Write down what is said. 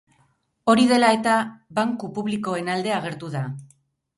Hori dela eta, banku publikoen alde agertu da.